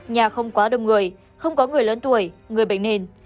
nhà không quá đông người không có người lớn tuổi người bệnh nền